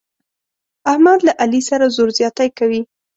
احمد له علي سره زور زیاتی کوي.